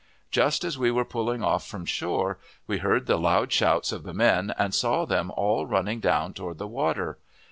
Just as we were pulling off from shore, we heard the loud shouts of the men, and saw them all running down toward the water.